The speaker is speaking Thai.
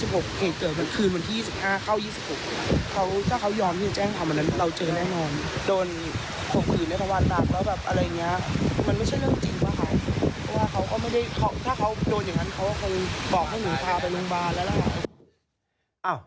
เพราะถ้าเขาโดนอย่างนั้นเขาก็เราต่อกันเรื่องไปบริษัทแล้วหรือเปล่า